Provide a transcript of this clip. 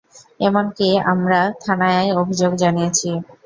এমনকি আমরা থানায়ায় অভিযোগও জানিয়েছি।